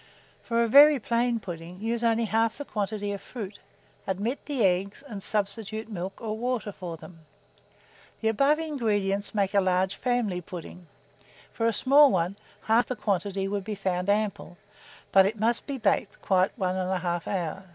For a very plain pudding, use only half the quantity of fruit, omit the eggs, and substitute milk or water for them. The above ingredients make a large family pudding; for a small one, half the quantity would be found ample; but it must be baked quite 1 1/2 hour.